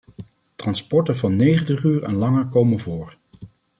Transporten van negentig uur en langer komen voor.